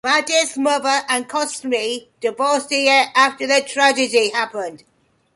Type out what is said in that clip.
Vadiz's mother and Cosme divorced a year after the tragedy happened.